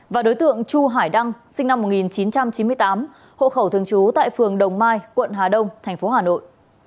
và đối tượng chu hải đăng sinh năm một nghìn chín trăm chín mươi tám hộ khẩu thường trú tại phường đồng mai quận hà đông tp hà nội